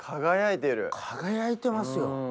輝いてますよ。